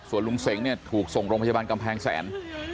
ส่วนลุงเสงเนี่ยถูกส่งโรงพยาบาลกำแพงแสน